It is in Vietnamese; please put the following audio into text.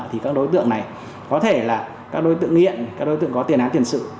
thì các đối tượng này có thể là các đối tượng nghiện các đối tượng có tiền án tiền sự